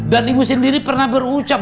dan ibu sendiri pernah berucap